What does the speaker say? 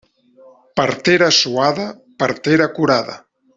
Partera suada, partera curada.